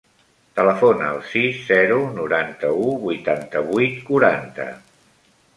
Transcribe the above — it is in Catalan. Telefona al sis, zero, noranta-u, vuitanta-vuit, quaranta.